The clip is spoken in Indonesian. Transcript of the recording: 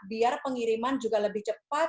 biar pengiriman juga lebih cepat